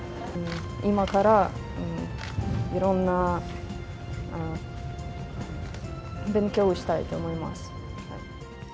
今からいろんな勉強をしたいと思います。